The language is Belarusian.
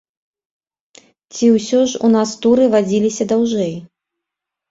Ці ўсё ж у нас туры вадзіліся даўжэй?